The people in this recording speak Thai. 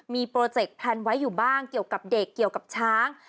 มีโปรเจคแพลนไว้อยู่บ้างเกี่ยวกับเด็กเกี่ยวกับช้าง